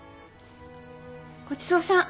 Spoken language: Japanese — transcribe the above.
ごちそうさん。